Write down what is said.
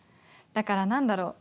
だから何だろう？